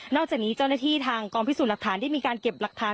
จากนี้เจ้าหน้าที่ทางกองพิสูจน์หลักฐานได้มีการเก็บหลักฐาน